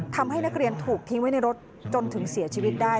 ทำให้นักเรียนถูกทิ้งไว้ในรถจนถึงเสียชีวิตได้